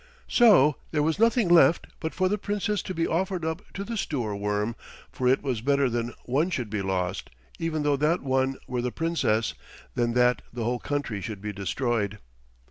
So there was nothing left but for the Princess to be offered up to the Stoorworm, for it was better that one should be lost, even though that one were the Princess, than that the whole country should be destroyed.